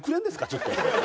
ちょっと。